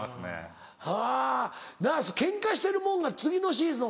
はぁケンカしてる者が次のシーズン